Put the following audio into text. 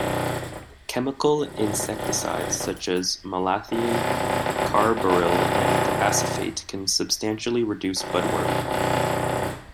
Chemical insecticides such as malathion, carbaryl, and acephate can substantially reduce budworm.